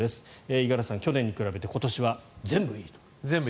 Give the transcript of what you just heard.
五十嵐さん、去年に比べて今年は全部いいと、数字は。